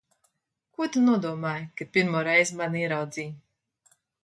Ko tu nodomāji, kad pirmo reizi mani ieraudzīji?